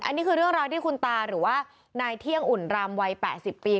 อันนี้คือเรื่องราวที่คุณตาหรือว่านายเที่ยงอุ่นรำวัย๘๐ปี